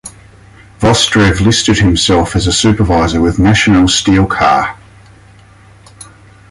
Vostrez listed himself as a supervisor with National Steel Car.